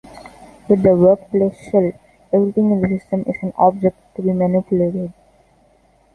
With the Workplace Shell, everything in the system is an "object" to be manipulated.